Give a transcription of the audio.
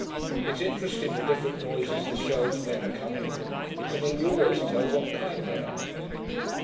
It's interesting the different noises the shells make coming; you can nearly always tell what kind they are.